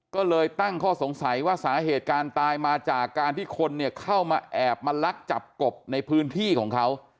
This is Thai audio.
ก็เลยตั้งข้อสงสัยว่าสาเหตุการณ์ตายมาจากการที่คนเนี่ยเข้ามาแอบมาลักจับกบในพื้นที่ของเขา